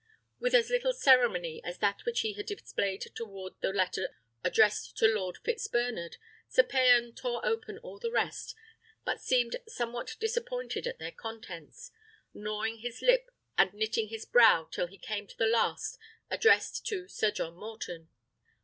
With as little ceremony as that which he had displayed toward the letter addressed to Lord Fitzbernard, Sir Payan tore open all the rest, but seemed somewhat disappointed at their contents, gnawing his lip and knitting his brow till he came to the last, addressed to Sir John Morton.